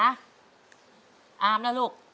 อาร์มนะลูก